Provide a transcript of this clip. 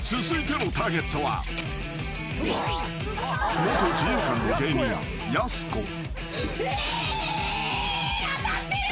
［続いてのターゲットは］えっ！？